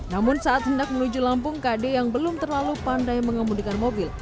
namun saat hendak menuju lampung kd yang belum terlalu pandai mengemudikan mobil